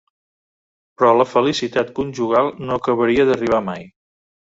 Però la felicitat conjugal no acabaria d'arribar mai.